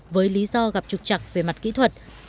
với lý do gặp trục chặt về mặt kỹ thuật